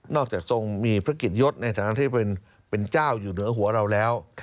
ทรงมีพระกิจยศในฐานะที่เป็นเจ้าอยู่เหนือหัวเราแล้ว